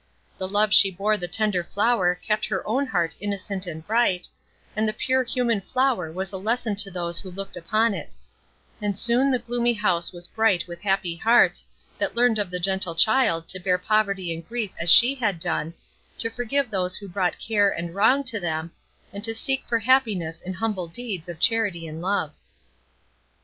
The love she bore the tender flower kept her own heart innocent and bright, and the pure human flower was a lesson to those who looked upon it; and soon the gloomy house was bright with happy hearts, that learned of the gentle child to bear poverty and grief as she had done, to forgive those who brought care and wrong to them, and to seek for happiness in humble deeds of charity and love.